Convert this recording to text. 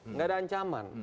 enggak ada ancaman